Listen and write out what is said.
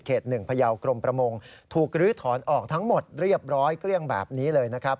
๑พยาวกรมประมงถูกลื้อถอนออกทั้งหมดเรียบร้อยเกลี้ยงแบบนี้เลยนะครับ